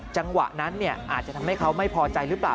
จังหวะนั้นอาจจะทำให้เขาไม่พอใจหรือเปล่า